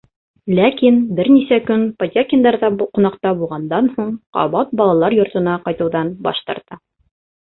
Ләкин, бер нисә көн Потякиндарҙа ҡунаҡта булғандан һуң, ҡабат балалар йортона ҡайтыуҙан баш тарта.